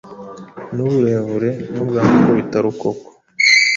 n'uburebure n’ubwa mukubitarukoko.